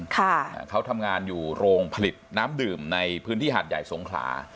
ค่ะอ่าเขาทำงานอยู่โรงผลิตน้ำดื่มในพื้นที่หาดใหญ่สงขลา